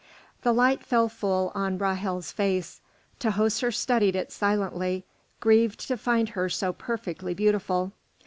The light fell full on Ra'hel's face. Tahoser studied it silently, grieved to find her so perfectly beautiful.